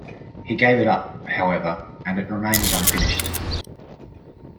He gave it up, however, and it remains unfinished.